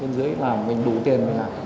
đến dưới là mình đủ tiền để làm